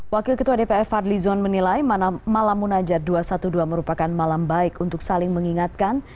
wakil ketua dpr fadli zon menilai malam munajat dua ratus dua belas merupakan malam baik untuk saling mengingatkan